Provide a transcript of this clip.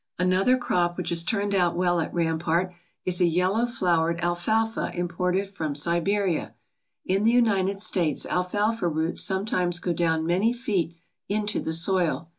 Another crop which has turned out well at Rampart is a yellow flowered alfalfa imported from Siberia. In the United States alfalfa roots sometimes go down many feet into the soil.